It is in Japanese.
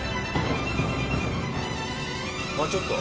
あっちょっと。